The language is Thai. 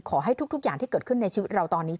ขอให้ทุกอย่างที่เกิดขึ้นในชีวิตเราตอนนี้